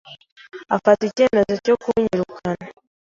afata icyemezo cyo kunyirukana,